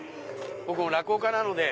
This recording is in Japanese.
僕も落語家なので。